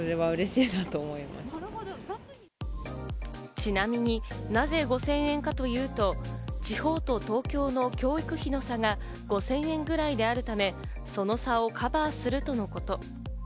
ちなみに、なぜ５０００円かというと地方と東京の教育費の差が５０００円くらいであるため、その差をカバーするとのこと。